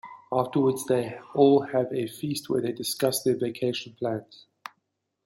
Afterwards, they all have a feast where they discuss their vacation plans.